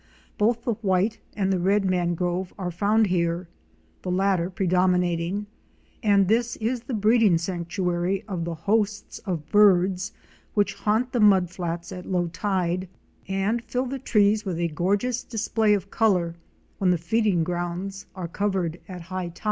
Both the White and the Red Mangrove are found here, the latter predominating, and this is the breeding sanctuary of the hosts of birds which haunt the mud flats at low tide and fill the trees with a gorgeous display of color when the feeding grounds are covered at high tide.